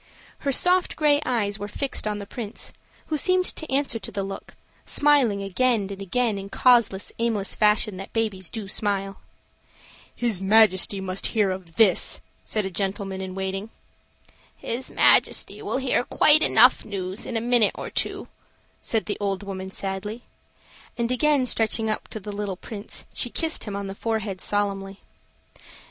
Her soft gray eyes were fixed on the Prince, who seemed to answer to the look, smiling again and again in the causeless, aimless fashion that babies do smile. "His Majesty must hear of this," said a gentleman in waiting. "His Majesty will hear quite enough news in a minute or two," said the old woman sadly. And again stretching up to the little Prince, she kissed him on the forehead solemnly.